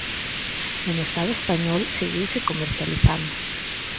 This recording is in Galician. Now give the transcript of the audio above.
E no Estado español seguiuse comercializando.